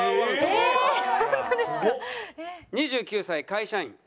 ２９歳会社員。